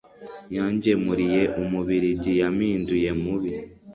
yangemuriye umubiligi yampinduye mubi